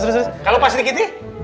kalau pak snicky t